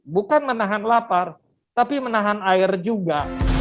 bukan menahan lapar tapi menahan air juga